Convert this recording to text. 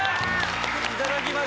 いただきました！